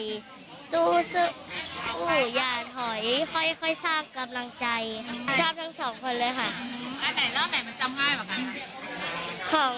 เราก็จำง่ายกว่าเพราะว่ามันเล็กกว่า